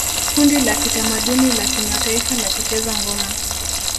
Kundi la kitamaduni la kimataifa la kucheza ngoma